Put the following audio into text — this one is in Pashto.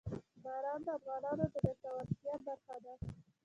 باران د افغانانو د ګټورتیا برخه ده.